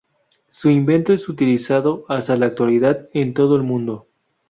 Su invento es utilizado hasta la actualidad en todo el mundo.